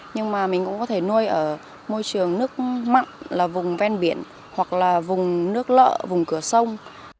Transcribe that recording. nhưng mà mình cũng có thể nuôi ở môi trường nước mặn là vùng ven biển hoặc là vùng nước lợ vùng cửa sông